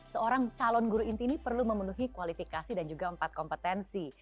seorang calon guru inti ini perlu memenuhi kualifikasi dan juga empat kompetensi